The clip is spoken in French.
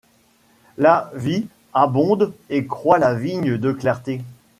Là vit, abonde et croît la vigne de clarté